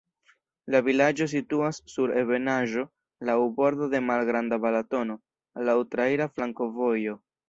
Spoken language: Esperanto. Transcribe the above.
La vilaĝo situas sur ebenaĵo, laŭ bordo de Malgranda Balatono, laŭ traira flankovojo.